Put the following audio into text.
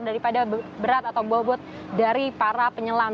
daripada berat atau bobot dari para penyelam